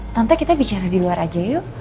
tanpa kita bicara di luar aja yuk